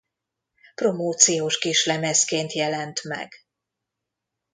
Promóciós kislemezként jelent meg.